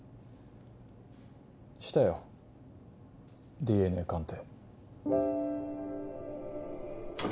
したよＤＮＡ鑑定。